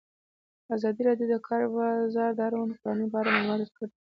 ازادي راډیو د د کار بازار د اړونده قوانینو په اړه معلومات ورکړي.